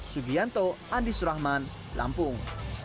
sugianto andi surahman lampung